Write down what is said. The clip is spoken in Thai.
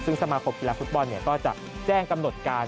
ซึ่งสมาคมกีฬาฟุตบอลก็จะแจ้งกำหนดการ